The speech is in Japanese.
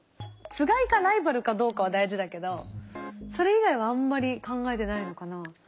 つがいかライバルかどうかは大事だけどそれ以外はあんまり考えてないのかな？